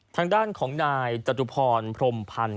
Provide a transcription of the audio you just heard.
ทางด้านของนายจตุพรพรมพันธ์